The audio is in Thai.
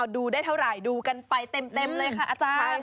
ดูได้เท่าไหร่ดูกันไปเต็มเลยค่ะอาจารย์